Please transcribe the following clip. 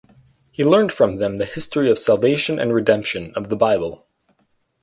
He learned from them the history of salvation and redemption of the Bible.